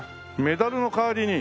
メダルの代わりに。